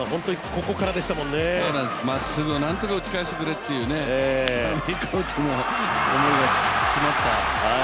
まっすぐ、なんとか打ち返してくれっていうコーチの思いがつまった。